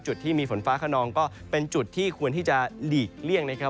จุดที่มีฝนฟ้าขนองก็เป็นจุดที่ควรที่จะหลีกเลี่ยงนะครับ